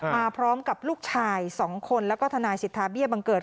มาพร้อมกับลูกชาย๒คนแล้วก็ทนายสิทธาเบี้ยบังเกิด